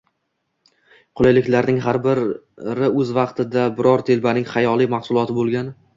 qulayliklarning har biri o‘z vaqtida biror «telba»ning xayoliy «mahsuloti» bo‘lgan.